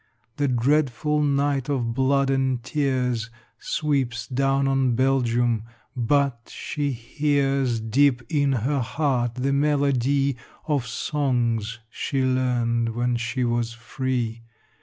The dreadful night of blood and tears Sweeps down on Belgium, but she hears Deep in her heart the melody Of songs she learned when she was free.